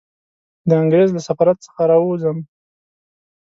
د انګریز له سفارت څخه را ووځم.